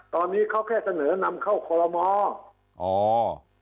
ตอนนี้เขาแค่เสนอนำเข้าคอลโมอ๋อ